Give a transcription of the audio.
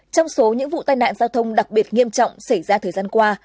trong số những vụ tai nạn giao thông đặc biệt nghiêm trọng xảy ra thời gian qua